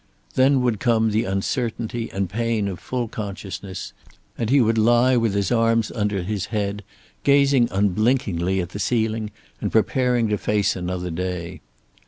Then would come the uncertainty and pain of full consciousness, and he would lie with his arms under his head, gazing unblinkingly at the ceiling and preparing to face another day.